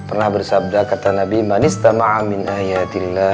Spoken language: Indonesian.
rasulullah pernah bersabda